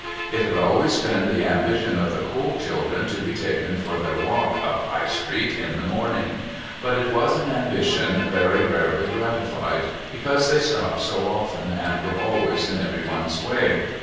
It had always been the ambition of the Cole children to be taken for their walk up High Street in the morning; but it was an ambition very rarely gratified, because they stopped so often and were always in everyone's way.